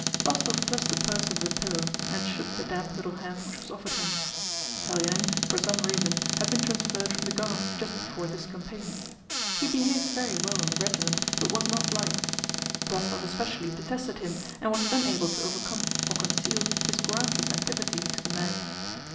Rostóv thrust the purse under the pillow and shook the damp little hand which was offered him. Telyánin for some reason had been transferred from the Guards just before this campaign. He behaved very well in the regiment but was not liked; Rostóv especially detested him and was unable to overcome or conceal his groundless antipathy to the man.